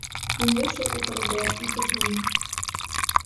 Він вийшов у коридор і подзвонив.